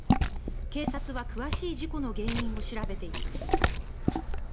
警察は、詳しい事故の原因を調べています。